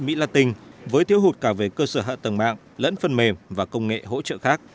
mỹ latin với thiếu hụt cả về cơ sở hạ tầng mạng lẫn phần mềm và công nghệ hỗ trợ khác